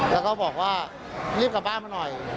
แล้วก็บอกว่ารีบกลับบ้านมาหน่อย